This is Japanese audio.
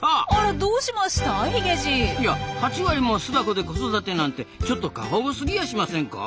いや８割も巣箱で子育てなんてちょっと過保護すぎやしませんか？